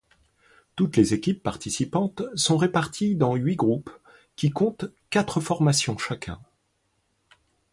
Toutes les équipes participantes sont réparties dans huit groupes, qui compte quatre formations chacun.